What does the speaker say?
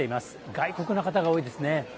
外国の方が多いですね。